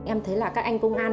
em thấy là các anh công an